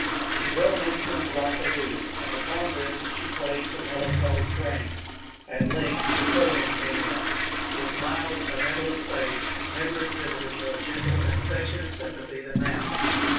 She brought an instrument like a lute, and upon this she played some melancholy strains. At length the Kohen came in. His mild, benevolent face never exhibited more gentle and affectionate sympathy than now.